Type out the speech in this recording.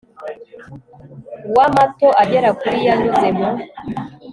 wa amato agera kuri yanyuze mu